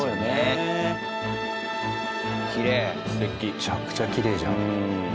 めちゃくちゃきれいじゃん。